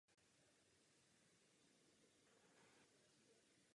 Rada volí pouze úzkoprsý přístup.